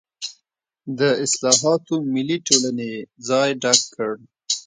د اصلاحاتو ملي ټولنې یې ځای ډک کړ.